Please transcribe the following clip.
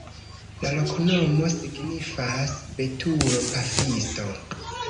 La loknomo signifas: betulo-pafisto.